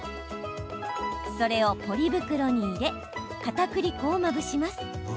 それをポリ袋に入れかたくり粉をまぶします。